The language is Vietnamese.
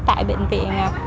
tại bệnh viện